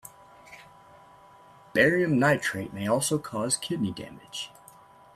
Barium nitrate may also cause kidney damage.